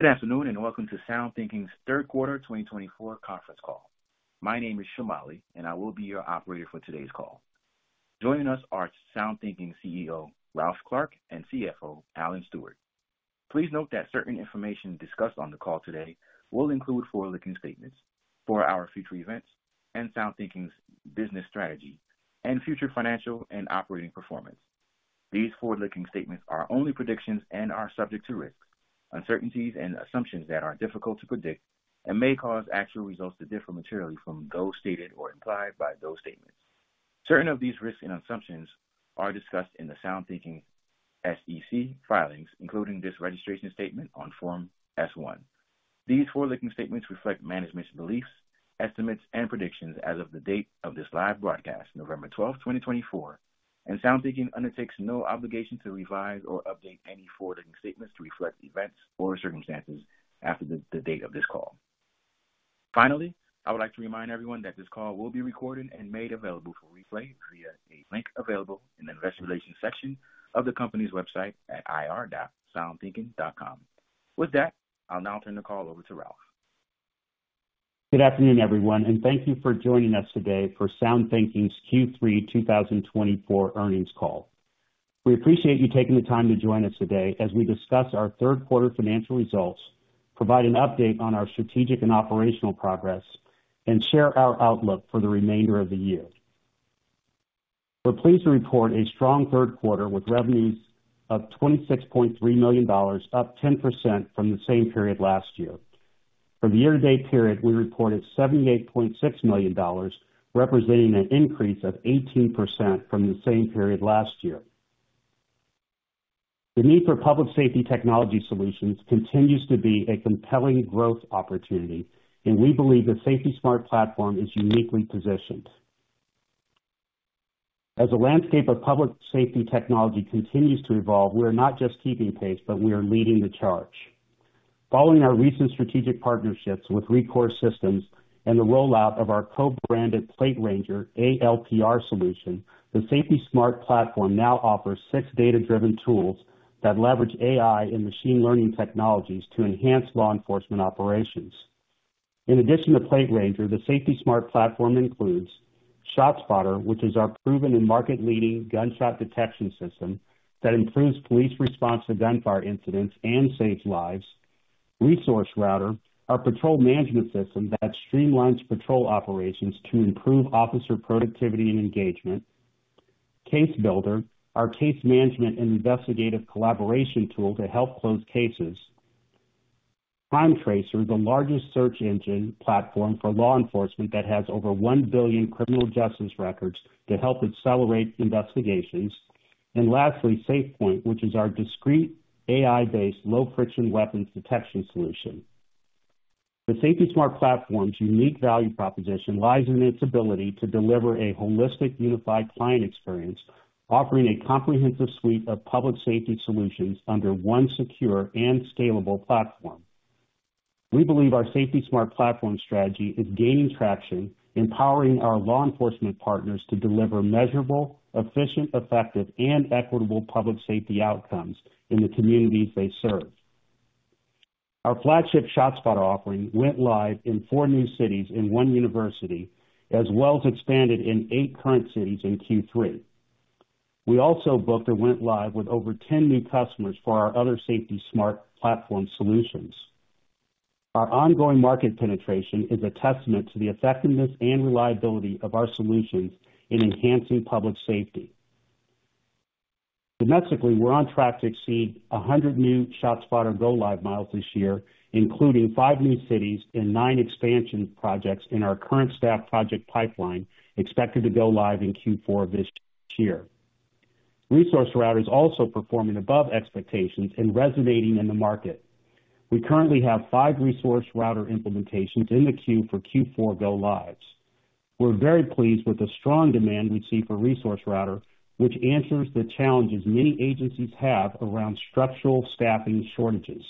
Good afternoon and welcome to SoundThinking's Third Quarter 2024 Conference call. My name is Shomali, and I will be your operator for today's call. Joining us are SoundThinking CEO Ralph Clark and CFO Alan Stewart. Please note that certain information discussed on the call today will include forward-looking statements for our future events and SoundThinking's business strategy and future financial and operating performance. These forward-looking statements are only predictions and are subject to risks, uncertainties, and assumptions that are difficult to predict and may cause actual results to differ materially from those stated or implied by those statements. Certain of these risks and assumptions are discussed in the SoundThinking SEC filings, including this registration statement on Form S-1. These forward-looking statements reflect management's beliefs, estimates, and predictions as of the date of this live broadcast, November 12, 2024, and SoundThinking undertakes no obligation to revise or update any forward-looking statements to reflect events or circumstances after the date of this call. Finally, I would like to remind everyone that this call will be recorded and made available for replay via a link available in the investor relations section of the company's website at ir.soundthinking.com. With that, I'll now turn the call over to Ralph. Good afternoon, everyone, and thank you for joining us today for SoundThinking's Q3 2024 Earnings call. We appreciate you taking the time to join us today as we discuss our third-quarter financial results, provide an update on our strategic and operational progress, and share our outlook for the remainder of the year. We're pleased to report a strong third quarter with revenues of $26.3 million, up 10% from the same period last year. For the year-to-date period, we reported $78.6 million, representing an increase of 18% from the same period last year. The need for public safety technology solutions continues to be a compelling growth opportunity, and we believe the SafetySmart Platform is uniquely positioned. As the landscape of public safety technology continues to evolve, we are not just keeping pace, but we are leading the charge. Following our recent strategic partnerships with Rekor Systems and the rollout of our co-branded PlateRanger ALPR solution, the SafetySmart Platform now offers six data-driven tools that leverage AI and machine learning technologies to enhance law enforcement operations. In addition to PlateRanger, the SafetySmart Platform includes ShotSpotter, which is our proven and market-leading gunshot detection system that improves police response to gunfire incidents and saves lives. ResourceRouter, our patrol management system that streamlines patrol operations to improve officer productivity and engagement. CaseBuilder, our case management and investigative collaboration tool to help close cases. CrimeTracer, the largest search engine platform for law enforcement that has over 1 billion criminal justice records to help accelerate investigations. And lastly, SafePointe, which is our discreet AI-based low-friction weapons detection solution. The SafetySmart Platform's unique value proposition lies in its ability to deliver a holistic, unified client experience, offering a comprehensive suite of public safety solutions under one secure and scalable platform. We believe our SafetySmart Platform strategy is gaining traction, empowering our law enforcement partners to deliver measurable, efficient, effective, and equitable public safety outcomes in the communities they serve. Our flagship ShotSpotter offering went live in four new cities and one university, as well as expanded in eight current cities in Q3. We also booked and went live with over 10 new customers for our other SafetySmart Platform solutions. Our ongoing market penetration is a testament to the effectiveness and reliability of our solutions in enhancing public safety. Domestically, we're on track to exceed 100 new ShotSpotter go-live miles this year, including five new cities and nine expansion projects in our current staff project pipeline expected to go-live in Q4 of this year. ResourceRouter is also performing above expectations and resonating in the market. We currently have five ResourceRouter implementations in the queue for Q4 go-lives. We're very pleased with the strong demand we see for ResourceRouter, which answers the challenges many agencies have around structural staffing shortages.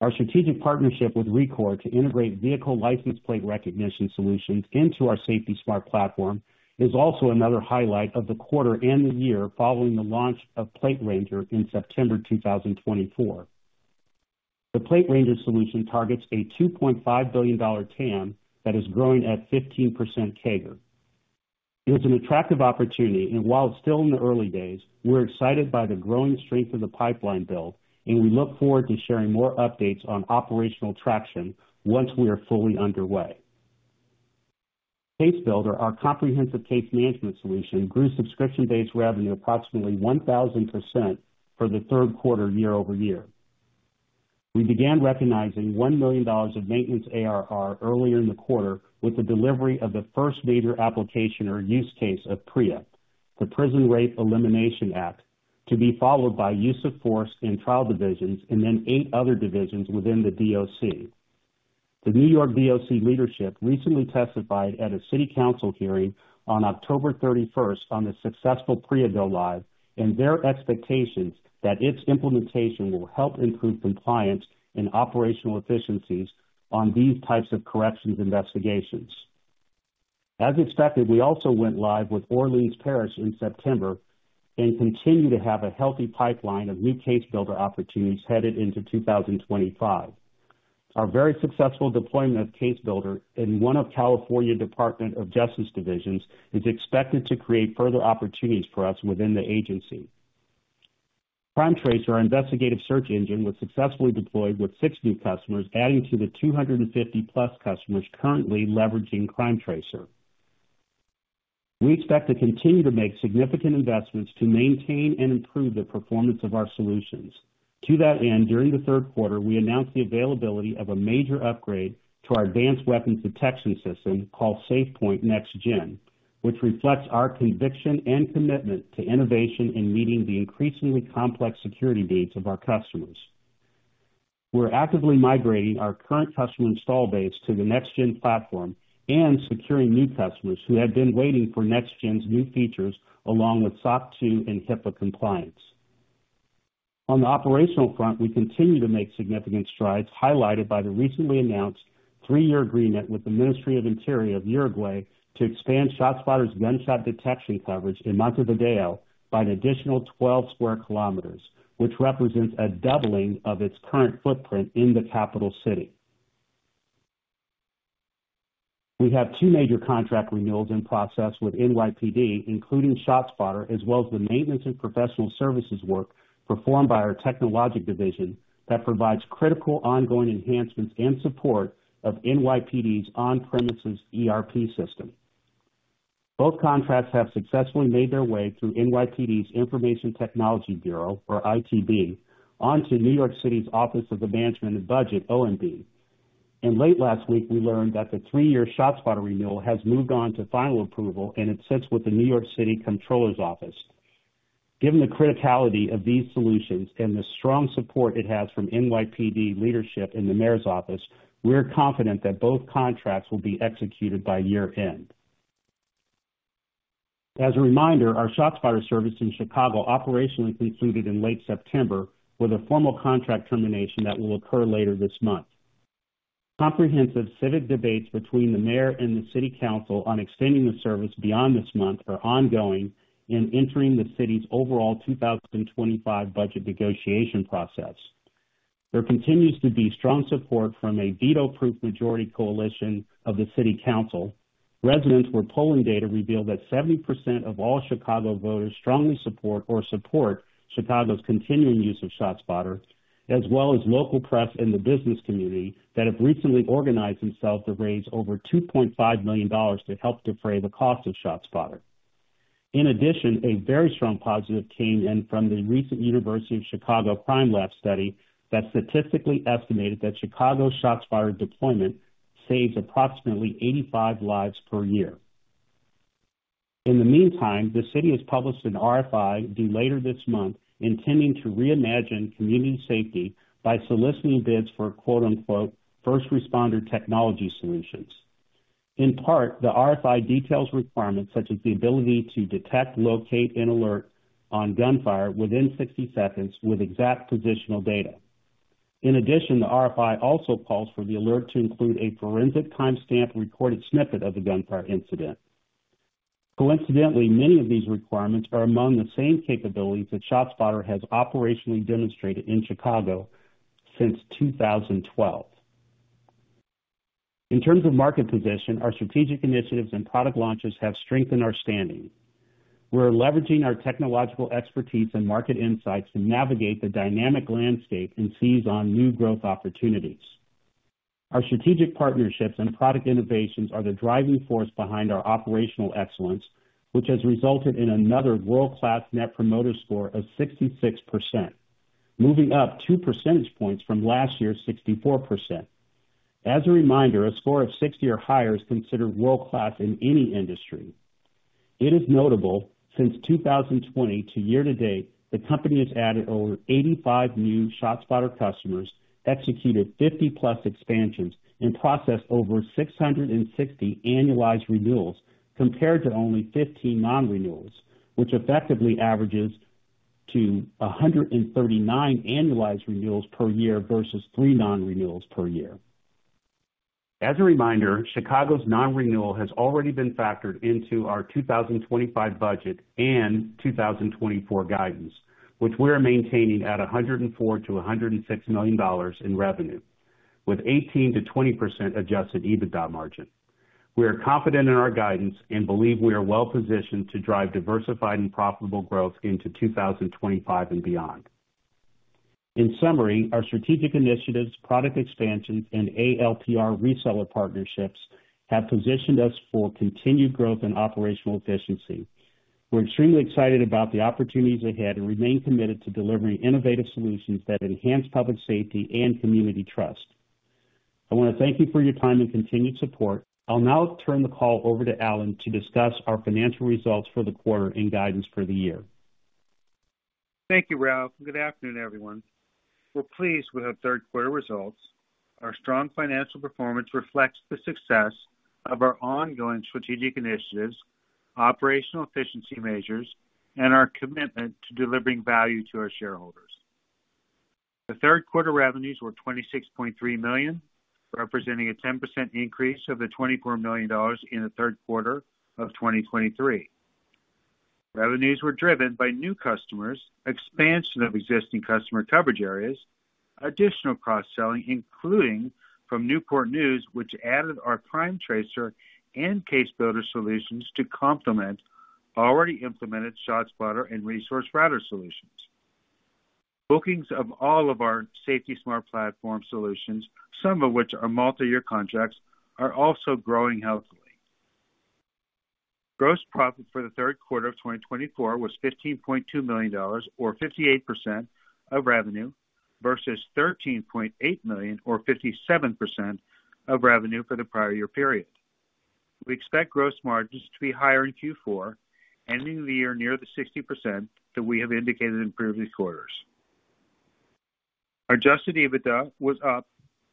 Our strategic partnership with Rekor to integrate vehicle license plate recognition solutions into our SafetySmart Platform is also another highlight of the quarter and the year following the launch of PlateRanger in September 2024. The PlateRanger solution targets a $2.5 billion TAM that is growing at 15% CAGR. It is an attractive opportunity, and while it's still in the early days, we're excited by the growing strength of the pipeline build, and we look forward to sharing more updates on operational traction once we are fully underway. CaseBuilder, our comprehensive case management solution, grew subscription-based revenue approximately 1,000% for the third quarter year-over-year. We began recognizing $1 million of maintenance ARR earlier in the quarter with the delivery of the first major application or use case of PREA, the Prison Rape Elimination Act, to be followed by use of force in trial divisions and then eight other divisions within the DOC. The New York DOC leadership recently testified at a city council hearing on October 31st on the successful PREA go-live and their expectations that its implementation will help improve compliance and operational efficiencies on these types of corrections investigations. As expected, we also went live with Orleans Parish in September and continue to have a healthy pipeline of new CaseBuilder opportunities headed into 2025. Our very successful deployment of CaseBuilder in one of California's Department of Justice divisions is expected to create further opportunities for us within the agency. CrimeTracer, our investigative search engine, was successfully deployed with six new customers, adding to the 250+ customers currently leveraging CrimeTracer. We expect to continue to make significant investments to maintain and improve the performance of our solutions. To that end, during the third quarter, we announced the availability of a major upgrade to our advanced weapons detection system called SafePointe NextGen, which reflects our conviction and commitment to innovation in meeting the increasingly complex security needs of our customers. We're actively migrating our current customer install base to the NextGen platform and securing new customers who have been waiting for NextGen's new features along with SOC 2 and HIPAA compliance. On the operational front, we continue to make significant strides highlighted by the recently announced three-year agreement with the Ministry of Interior of Uruguay to expand ShotSpotter's gunshot detection coverage in Montevideo by an additional 12 square kilometers, which represents a doubling of its current footprint in the capital city. We have two major contract renewals in process with NYPD, including ShotSpotter, as well as the maintenance and professional services work performed by our Technology division that provides critical ongoing enhancements and support of NYPD's on-premises ERP system. Both contracts have successfully made their way through NYPD's Information Technology Bureau, or ITB, onto New York City's Office of Management and Budget, OMB. In late last week, we learned that the three-year ShotSpotter renewal has moved on to final approval, and it sits with the New York City Comptroller's Office. Given the criticality of these solutions and the strong support it has from NYPD leadership and the mayor's office, we're confident that both contracts will be executed by year-end. As a reminder, our ShotSpotter service in Chicago operationally concluded in late September, with a formal contract termination that will occur later this month. Comprehensive civic debates between the mayor and the city council on extending the service beyond this month are ongoing and entering the city's overall 2025 budget negotiation process. There continues to be strong support from a veto-proof majority coalition of the city council. Recent polling data revealed that 70% of all Chicago voters strongly support or support Chicago's continuing use of ShotSpotter, as well as local press and the business community that have recently organized themselves to raise over $2.5 million to help defray the cost of ShotSpotter. In addition, a very strong positive came in from the recent University of Chicago Crime Lab study that statistically estimated that Chicago's ShotSpotter deployment saves approximately 85 lives per year. In the meantime, the city has published an RFI later this month intending to reimagine community safety by soliciting bids for "first responder technology solutions." In part, the RFI details requirements such as the ability to detect, locate, and alert on gunfire within 60 seconds with exact positional data. In addition, the RFI also calls for the alert to include a forensic timestamped recorded snippet of the gunfire incident. Coincidentally, many of these requirements are among the same capabilities that ShotSpotter has operationally demonstrated in Chicago since 2012. In terms of market position, our strategic initiatives and product launches have strengthened our standing. We're leveraging our technological expertise and market insights to navigate the dynamic landscape and seize on new growth opportunities. Our strategic partnerships and product innovations are the driving force behind our operational excellence, which has resulted in another world-class Net Promoter Score of 66%, moving up two percentage points from last year's 64%. As a reminder, a score of 60 or higher is considered world-class in any industry. It is notable that since 2020 to year-to-date, the company has added over 85 new ShotSpotter customers, executed 50+ expansions, and processed over 660 annualized renewals compared to only 15 non-renewals, which effectively averages to 139 annualized renewals per year versus three non-renewals per year. As a reminder, Chicago's non-renewal has already been factored into our 2025 budget and 2024 guidance, which we are maintaining at $104 million-$106 million in revenue, with 18%-20% Adjusted EBITDA margin. We are confident in our guidance and believe we are well-positioned to drive diversified and profitable growth into 2025 and beyond. In summary, our strategic initiatives, product expansions, and ALPR reseller partnerships have positioned us for continued growth and operational efficiency. We're extremely excited about the opportunities ahead and remain committed to delivering innovative solutions that enhance public safety and community trust. I want to thank you for your time and continued support. I'll now turn the call over to Alan to discuss our financial results for the quarter and guidance for the year. Thank you, Ralph. Good afternoon, everyone. We're pleased with our third quarter results. Our strong financial performance reflects the success of our ongoing strategic initiatives, operational efficiency measures, and our commitment to delivering value to our shareholders. The third quarter revenues were $26.3 million, representing a 10% increase of the $24 million in the third quarter of 2023. Revenues were driven by new customers, expansion of existing customer coverage areas, additional cross-selling, including from Newport News, which added our CrimeTracer and CaseBuilder solutions to complement already implemented ShotSpotter and ResourceRouter solutions. Bookings of all of our SafetySmart Platform solutions, some of which are multi-year contracts, are also growing healthily. Gross profit for the third quarter of 2024 was $15.2 million, or 58% of revenue, versus $13.8 million, or 57% of revenue for the prior year period. We expect gross margins to be higher in Q4, ending the year near the 60% that we have indicated in previous quarters. Our adjusted EBITDA was up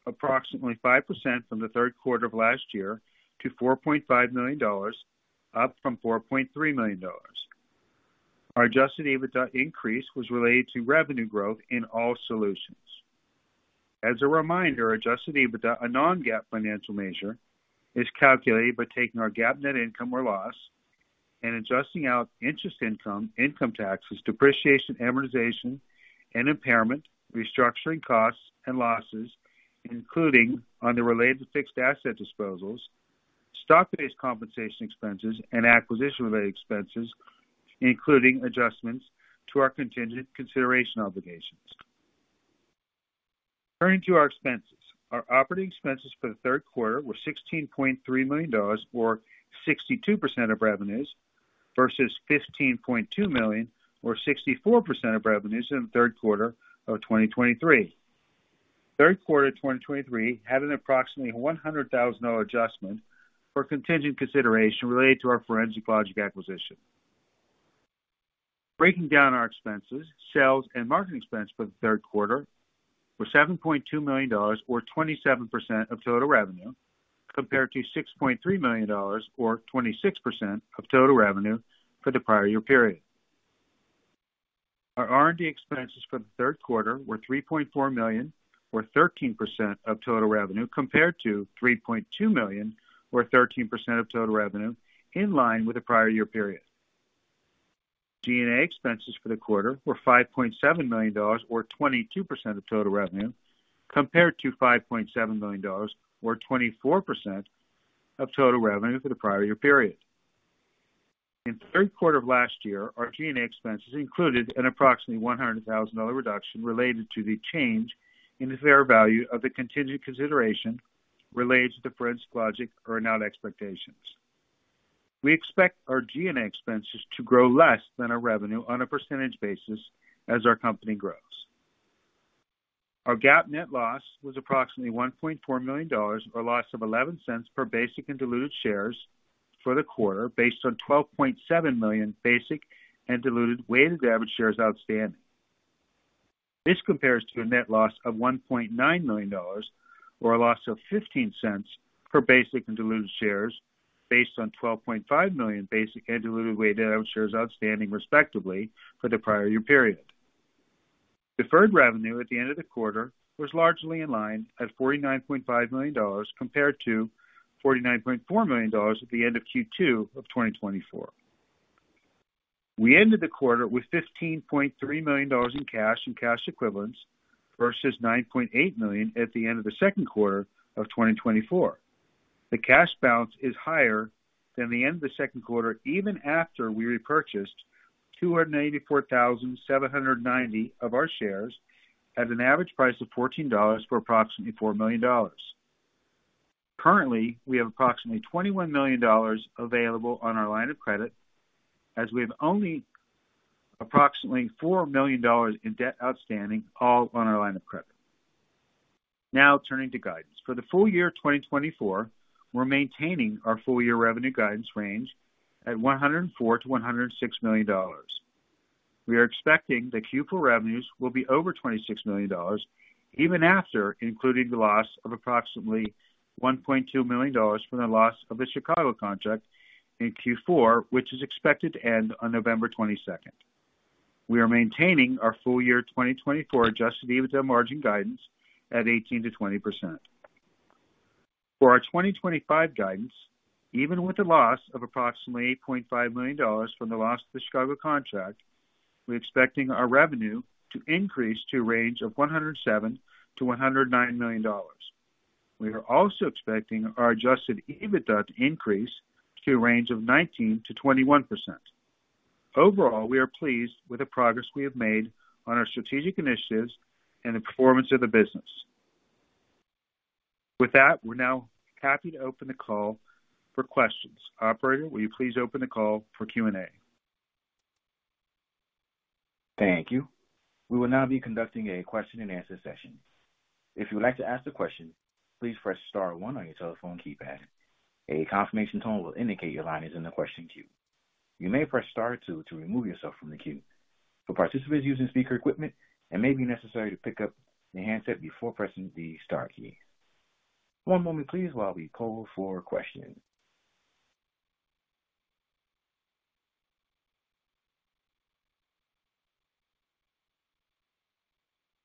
approximately 5% from the third quarter of last year to $4.5 million, up from $4.3 million. Our adjusted EBITDA increase was related to revenue growth in all solutions. As a reminder, adjusted EBITDA, a non-GAAP financial measure, is calculated by taking our GAAP net income or loss and adjusting out interest income, income taxes, depreciation, amortization, and impairment, restructuring costs and losses, including on the related fixed asset disposals, stock-based compensation expenses, and acquisition-related expenses, including adjustments to our contingent consideration obligations. Turning to our expenses, our operating expenses for the third quarter were $16.3 million, or 62% of revenues, versus $15.2 million, or 64% of revenues in the third quarter of 2023. Third quarter of 2023 had an approximately $100,000 adjustment for contingent consideration related to our Forensic Logic acquisition. Breaking down our expenses, sales, and marketing expenses for the third quarter were $7.2 million, or 27% of total revenue, compared to $6.3 million, or 26% of total revenue for the prior year period. Our R&D expenses for the third quarter were $3.4 million, or 13% of total revenue, compared to $3.2 million, or 13% of total revenue, in line with the prior year period. G&A expenses for the quarter were $5.7 million, or 22% of total revenue, compared to $5.7 million, or 24% of total revenue for the prior year period. In the third quarter of last year, our G&A expenses included an approximately $100,000 reduction related to the change in the fair value of the contingent consideration related to the Forensic Logic acquisition. We expect our G&A expenses to grow less than our revenue on a percentage basis as our company grows. Our GAAP net loss was approximately $1.4 million, or a loss of $0.11 per basic and diluted shares for the quarter, based on 12.7 million basic and diluted weighted average shares outstanding. This compares to a net loss of $1.9 million, or a loss of $0.15 per basic and diluted shares, based on 12.5 million basic and diluted weighted average shares outstanding, respectively, for the prior year period. Deferred revenue at the end of the quarter was largely in line at $49.5 million, compared to $49.4 million at the end of Q2 of 2024. We ended the quarter with $15.3 million in cash and cash equivalents, versus $9.8 million at the end of the second quarter of 2024. The cash balance is higher than the end of the second quarter, even after we repurchased 284,790 of our shares at an average price of $14 for approximately $4 million. Currently, we have approximately $21 million available on our line of credit, as we have only approximately $4 million in debt outstanding, all on our line of credit. Now, turning to guidance. For the full year 2024, we're maintaining our full year revenue guidance range at $104 million-$106 million. We are expecting that Q4 revenues will be over $26 million, even after including the loss of approximately $1.2 million from the loss of the Chicago contract in Q4, which is expected to end on November 22nd. We are maintaining our full year 2024 Adjusted EBITDA margin guidance at 18%-20%. For our 2025 guidance, even with the loss of approximately $8.5 million from the loss of the Chicago contract, we're expecting our revenue to increase to a range of $107 million-$109 million. We are also expecting our Adjusted EBITDA to increase to a range of 19%-21%. Overall, we are pleased with the progress we have made on our strategic initiatives and the performance of the business. With that, we're now happy to open the call for questions. Operator, will you please open the call for Q&A? Thank you. We will now be conducting a question-and-answer session. If you would like to ask a question, please press star one on your telephone keypad. A confirmation tone will indicate your line is in the question queue. You may press star two to remove yourself from the queue. For participants using speaker equipment, it may be necessary to pick up the handset before pressing the star key. One moment, please, while we poll for questions.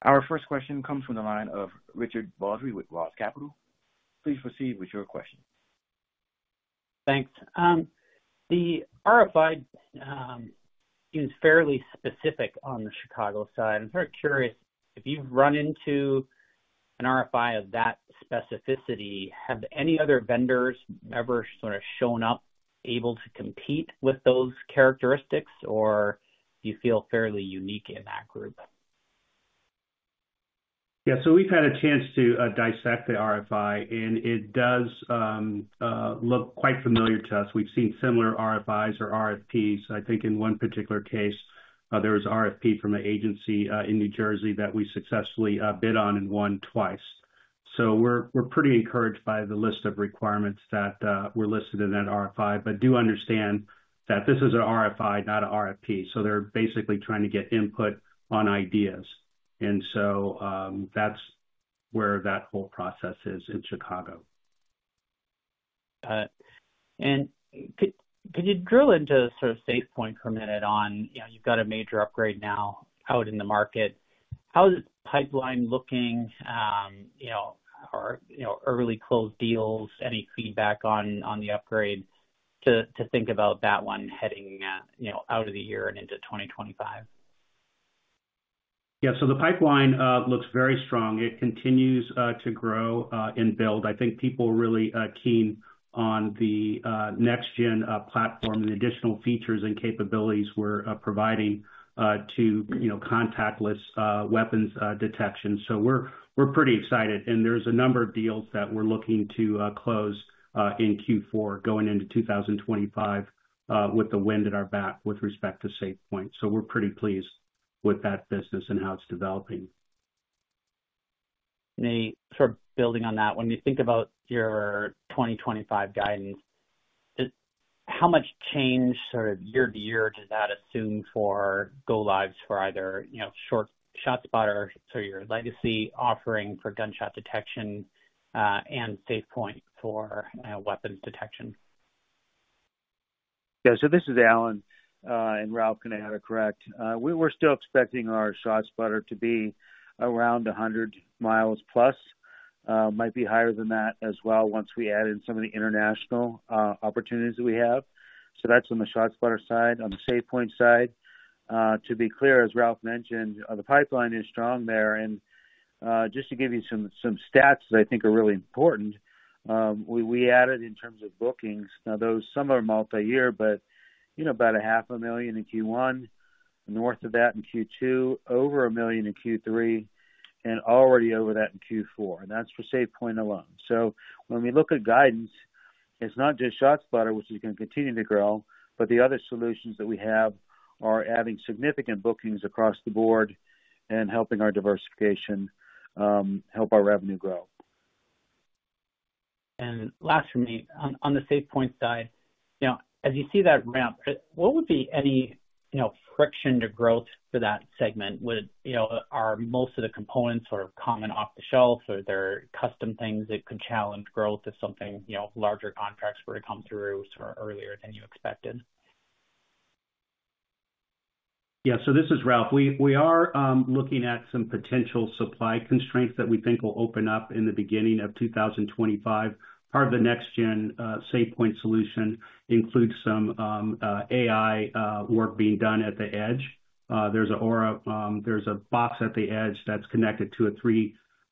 Our first question comes from the line of Richard Baldry with Roth Capital. Please proceed with your question. Thanks. The RFI is fairly specific on the Chicago side. I'm sort of curious, if you've run into an RFI of that specificity, have any other vendors ever sort of shown up able to compete with those characteristics, or do you feel fairly unique in that group? Yeah, so we've had a chance to dissect the RFI, and it does look quite familiar to us. We've seen similar RFIs or RFPs. I think in one particular case, there was an RFP from an agency in New Jersey that we successfully bid on and won twice. So we're pretty encouraged by the list of requirements that were listed in that RFI, but do understand that this is an RFI, not an RFP. So they're basically trying to get input on ideas. And so that's where that whole process is in Chicago. Got it, and could you drill into sort of SafePointe for a minute on, you've got a major upgrade now out in the market. How is the pipeline looking? Are early closed deals? Any feedback on the upgrade to think about that one heading out of the year and into 2025? Yeah, so the pipeline looks very strong. It continues to grow and build. I think people are really keen on the NextGen platform and the additional features and capabilities we're providing to contactless weapons detection. So we're pretty excited. And there's a number of deals that we're looking to close in Q4 going into 2025 with the wind at our back with respect to SafePointe. So we're pretty pleased with that business and how it's developing. Sort of building on that, when you think about your 2025 guidance, how much change sort of year-to-year does that assume for go-lives for either ShotSpotter or your legacy offering for gunshot detection and SafePointe for weapons detection? Yeah, so this is Alan and Ralph can add or correct. We're still expecting our ShotSpotter to be around 100+ mi. Might be higher than that as well once we add in some of the international opportunities that we have. So that's on the ShotSpotter side. On the SafePointe side, to be clear, as Ralph mentioned, the pipeline is strong there. And just to give you some stats that I think are really important, we added in terms of bookings. Now, those some are multi-year, but about $500,000 in Q1, north of that in Q2, over $1 million in Q3, and already over that in Q4. And that's for SafePointe alone. So when we look at guidance, it's not just ShotSpotter, which is going to continue to grow, but the other solutions that we have are adding significant bookings across the board and helping our diversification help our revenue grow. And last for me, on the SafePointe side, as you see that ramp, what would be any friction to growth for that segment? Are most of the components sort of common off the shelf, or are there custom things that could challenge growth if something larger contracts were to come through sort of earlier than you expected? Yeah, so this is Ralph. We are looking at some potential supply constraints that we think will open up in the beginning of 2025. Part of the next-gen SafePointe solution includes some AI work being done at the edge. There's a box at the edge that's connected to a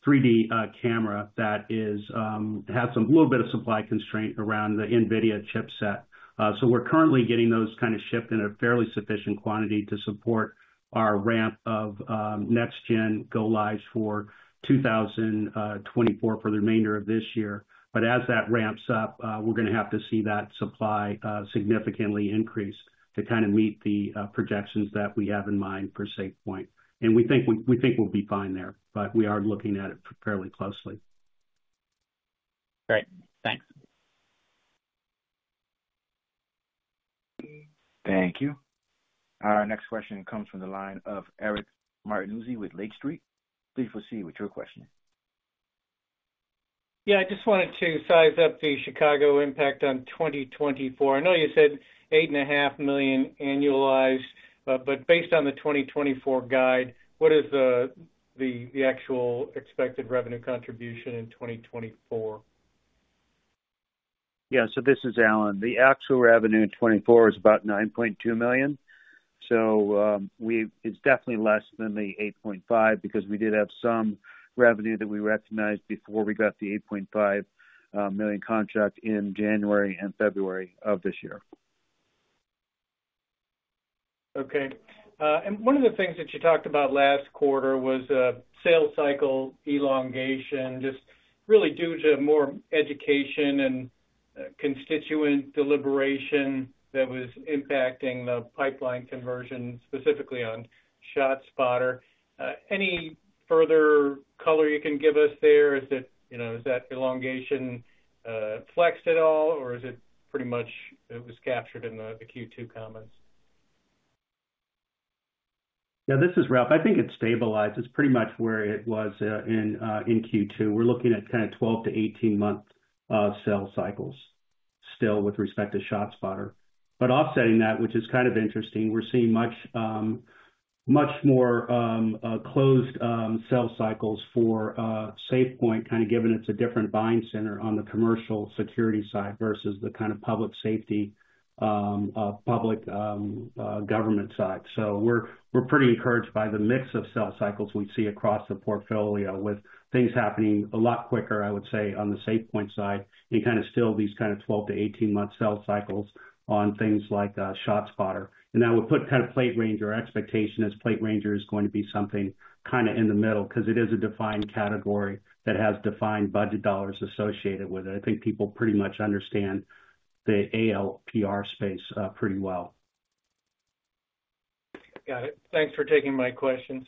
3D camera that has a little bit of supply constraint around the NVIDIA chipset. So we're currently getting those kind of shipped in a fairly sufficient quantity to support our ramp of next-gen go-lives for 2024 for the remainder of this year. But as that ramps up, we're going to have to see that supply significantly increase to kind of meet the projections that we have in mind for SafePointe. And we think we'll be fine there, but we are looking at it fairly closely. Great. Thanks. Thank you. Our next question comes from the line of Eric Martinuzzi with Lake Street. Please proceed with your question. Yeah, I just wanted to size up the Chicago impact on 2024. I know you said $8.5 million annualized, but based on the 2024 guide, what is the actual expected revenue contribution in 2024? Yeah, so this is Alan. The actual revenue in 2024 is about $9.2 million. So it's definitely less than the $8.5 million because we did have some revenue that we recognized before we got the $8.5 million contract in January and February of this year. Okay. And one of the things that you talked about last quarter was sales cycle elongation, just really due to more education and constituent deliberation that was impacting the pipeline conversion, specifically on ShotSpotter. Any further color you can give us there? Is that elongation flexed at all, or is it pretty much it was captured in the Q2 comments? Yeah, this is Ralph. I think it stabilized. It's pretty much where it was in Q2. We're looking at kind of 12-month to 18month sales cycles still with respect to ShotSpotter, but offsetting that, which is kind of interesting, we're seeing much more closed sales cycles for SafePointe, kind of given it's a different buying center on the commercial security side versus the kind of public safety, public government side, so we're pretty encouraged by the mix of sales cycles we see across the portfolio with things happening a lot quicker, I would say, on the SafePointe side and kind of still these kind of 12-month to 18-month sales cycles on things like ShotSpotter, and that would put kind of PlateRanger expectation as PlateRanger is going to be something kind of in the middle because it is a defined category that has defined budget dollars associated with it. I think people pretty much understand the ALPR space pretty well. Got it. Thanks for taking my questions.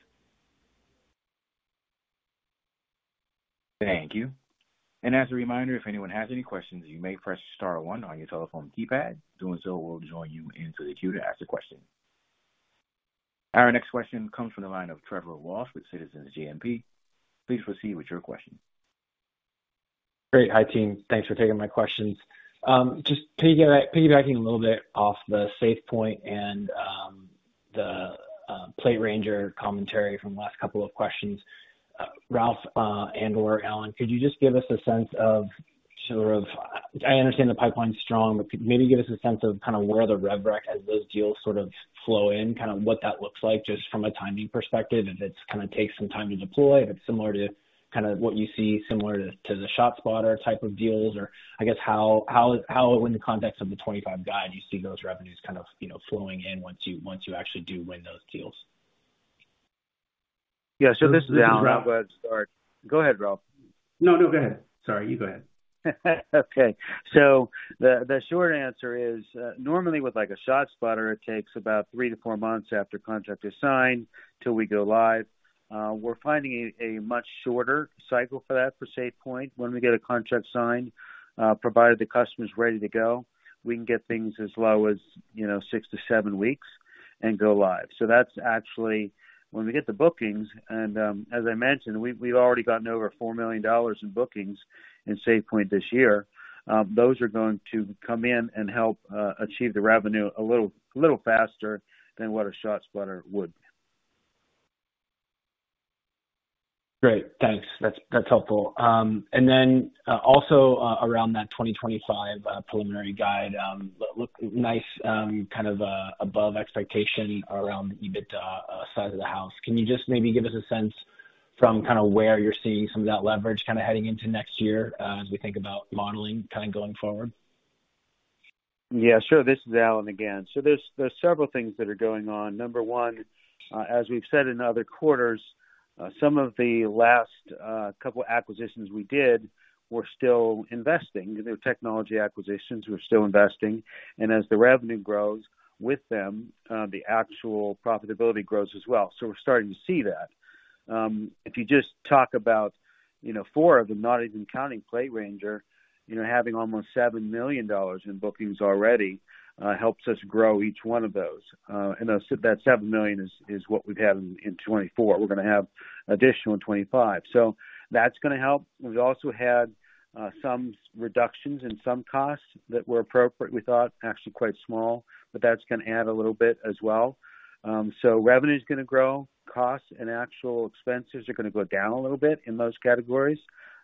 Thank you. And as a reminder, if anyone has any questions, you may press star one on your telephone keypad. Doing so will join you into the queue to ask a question. Our next question comes from the line of Trevor Walsh with Citizens JMP. Please proceed with your question. Great. Hi, team. Thanks for taking my questions. Just piggybacking a little bit off the SafePointe and the PlateRanger commentary from the last couple of questions, Ralph and/or Alan, could you just give us a sense of sort of I understand the pipeline's strong, but could you maybe give us a sense of kind of where the rubber hits the road as those deals sort of flow in, kind of what that looks like just from a timing perspective, if it kind of takes some time to deploy, if it's similar to kind of what you see similar to the ShotSpotter type of deals, or I guess how in the context of the 2025 guide you see those revenues kind of flowing in once you actually do win those deals? Yeah, so this is Alan. Go ahead, Ralph. No, no, go ahead. Sorry, you go ahead. Okay. So the short answer is normally with a ShotSpotter, it takes about three to four months after contract is signed till we go-live. We're finding a much shorter cycle for that for SafePointe when we get a contract signed, provided the customer's ready to go. We can get things as low as six to seven weeks and go-live. So that's actually when we get the bookings. And as I mentioned, we've already gotten over $4 million in bookings in SafePointe this year. Those are going to come in and help achieve the revenue a little faster than what a ShotSpotter would. Great. Thanks. That's helpful. And then also around that 2025 preliminary guidance, looks nice kind of above expectation around the EBITDA guidance. Can you just maybe give us a sense from kind of where you're seeing some of that leverage kind of heading into next year as we think about modeling kind of going forward? Yeah, sure. This is Alan again. So there's several things that are going on. Number one, as we've said in other quarters, some of the last couple of acquisitions we did were still investing. They were technology acquisitions. We're still investing. And as the revenue grows with them, the actual profitability grows as well. So we're starting to see that. If you just talk about four of them, not even counting PlateRanger, having almost $7 million in bookings already helps us grow each one of those. And that $7 million is what we've had in 2024. We're going to have additional in 2025. So that's going to help. We've also had some reductions in some costs that were appropriate, we thought, actually quite small, but that's going to add a little bit as well. So revenue is going to grow, costs and actual expenses are going to go down a little bit in those categories.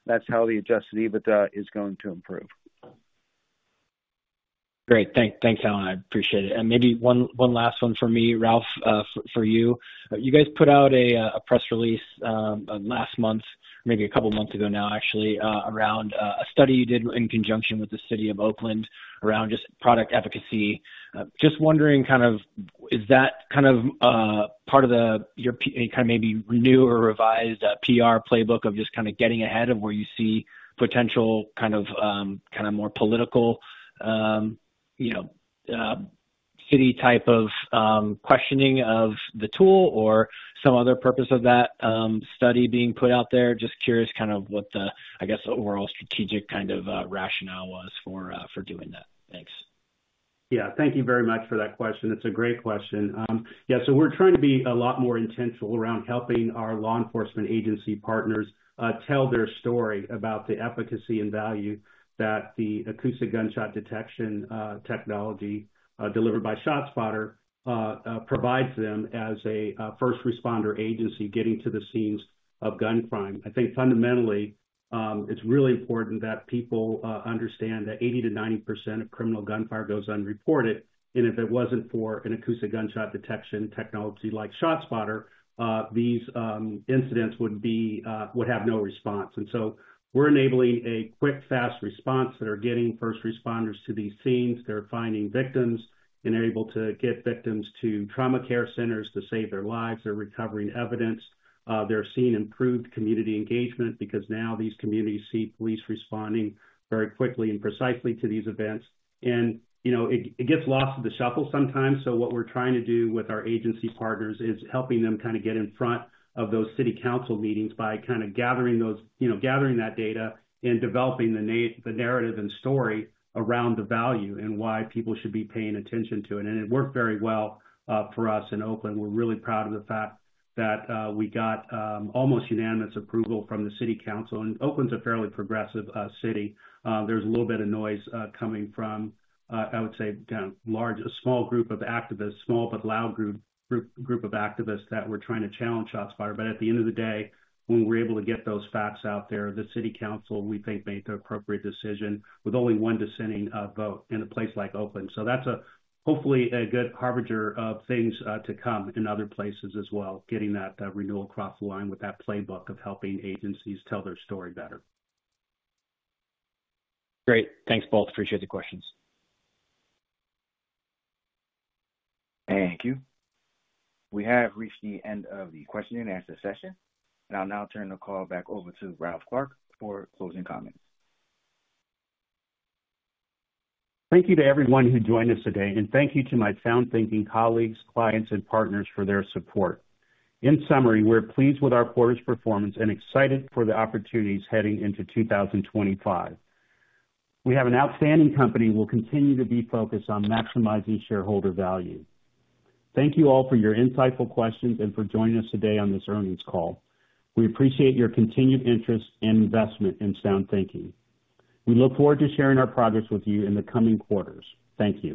That's how the Adjusted EBITDA is going to improve. Great. Thanks, Alan. I appreciate it. And maybe one last one for me, Ralph, for you. You guys put out a press release last month, maybe a couple of months ago now, actually, around a study you did in conjunction with the City of Oakland around just product efficacy. Just wondering kind of is that kind of part of your kind of maybe new or revised PR playbook of just kind of getting ahead of where you see potential kind of kind of more political city type of questioning of the tool or some other purpose of that study being put out there? Just curious kind of what the, I guess, overall strategic kind of rationale was for doing that. Thanks. Yeah. Thank you very much for that question. It's a great question. Yeah, so we're trying to be a lot more intentional around helping our law enforcement agency partners tell their story about the efficacy and value that the acoustic gunshot detection technology delivered by ShotSpotter provides them as a first responder agency getting to the scenes of gun crime. I think fundamentally, it's really important that people understand that 80%-90% of criminal gunfire goes unreported. And if it wasn't for an acoustic gunshot detection technology like ShotSpotter, these incidents would have no response. And so we're enabling a quick, fast response that are getting first responders to these scenes. They're finding victims and able to get victims to trauma care centers to save their lives. They're recovering evidence. They're seeing improved community engagement because now these communities see police responding very quickly and precisely to these events. And it gets lost in the shuffle sometimes. So what we're trying to do with our agency partners is helping them kind of get in front of those city council meetings by kind of gathering that data and developing the narrative and story around the value and why people should be paying attention to it. And it worked very well for us in Oakland. We're really proud of the fact that we got almost unanimous approval from the city council. And Oakland's a fairly progressive city. There's a little bit of noise coming from, I would say, a small group of activists, small but loud group of activists that were trying to challenge ShotSpotter. But at the end of the day, when we're able to get those facts out there, the city council, we think, made the appropriate decision with only one dissenting vote in a place like Oakland. So that's hopefully a good harbinger of things to come in other places as well, getting that renewal crossed the line with that playbook of helping agencies tell their story better. Great. Thanks, both. Appreciate the questions. Thank you. We have reached the end of the question and answer session, and I'll now turn the call back over to Ralph Clark for closing comments. Thank you to everyone who joined us today, and thank you to my SoundThinking colleagues, clients, and partners for their support. In summary, we're pleased with our quarter's performance and excited for the opportunities heading into 2025. We have an outstanding company and will continue to be focused on maximizing shareholder value. Thank you all for your insightful questions and for joining us today on this earnings call. We appreciate your continued interest and investment in SoundThinking. We look forward to sharing our progress with you in the coming quarters. Thank you.